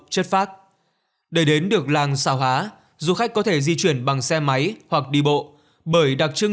chất phác để đến được làng sảo há du khách có thể di chuyển bằng xe máy hoặc đi bộ bởi đặc trưng